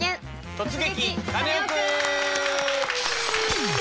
「突撃！